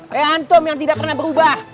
hei antum yang tidak pernah berubah